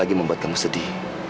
bagaimanapun kalau kamu men swimsuit